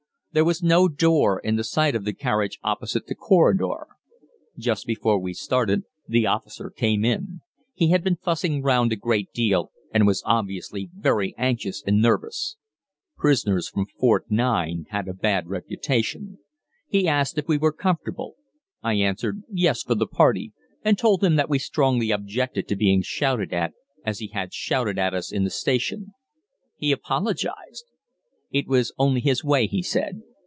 There was no door in the side of the carriage opposite to the corridor. Just before we started, the officer came in; he had been fussing round a great deal, and was obviously very anxious and nervous. Prisoners from Fort 9 had a bad reputation. He asked if we were comfortable. I answered yes for the party, and told him that we strongly objected to being shouted at, as he had shouted at us in the station. He apologized. It was only his way he said.